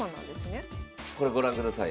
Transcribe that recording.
これご覧ください。